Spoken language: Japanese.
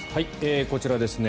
こちらですね。